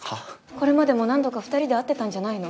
これまでも何度か２人で会ってたんじゃないの？